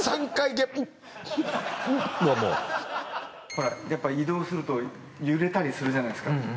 ほら、やっぱ移動すると揺れたりするじゃないですか。